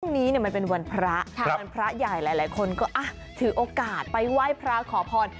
วันนี้มันเป็นวันพระวันพระใหญ่หลายคนก็ถือโอกาสไปไหว้พระขอพร